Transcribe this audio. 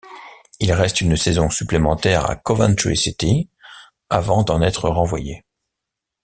Il reste une saison supplémentaire à Coventry City avant d'en être renvoyé.